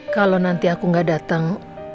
kalau nanti aku gak datang